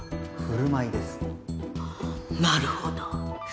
なるほど。